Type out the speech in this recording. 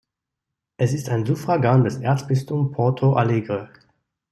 Es ist ein Suffragan des Erzbistums Porto Alegre.